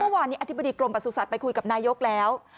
เมื่อวานนี้อธิบดีกรมประสุทธิ์ไปคุยกับนายกแล้ว